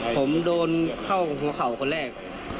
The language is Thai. ผมโดนเข้าหัวเข่าคนแรก